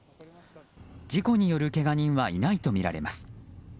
事故によるけが人はいないとみられます。